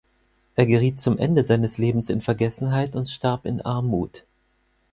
Er geriet zum Ende seines Lebens in Vergessenheit und starb in Armut.